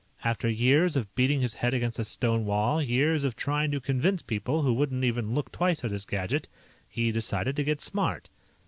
After years of beating his head against a stone wall, years of trying to convince people who wouldn't even look twice at his gadget, he decided to get smart.